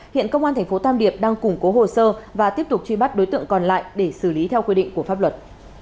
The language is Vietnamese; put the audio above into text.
hiện công an tp tam điệp đang củng cố hồ sơ và tiếp tục truy bắt đối tượng còn lại để xử lý theo quy định của pháp luật